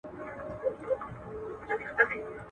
نړوي به سوځوي به `